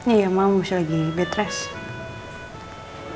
iya mama masih lagi bed rest